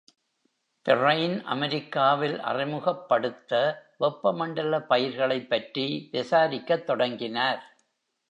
Perrine அமெரிக்காவில் அறிமுகப்படுத்த வெப்பமண்டல பயிர்களைப் பற்றி விசாரிக்கத் தொடங்கினார்.